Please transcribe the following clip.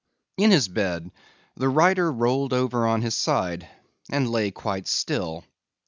In his bed the writer rolled over on his side and lay quite still.